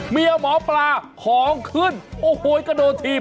เมียหมอปลาของขึ้นโอ้โหกระโดดถีบ